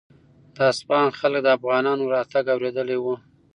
د اصفهان خلک د افغانانو راتګ اورېدلی و.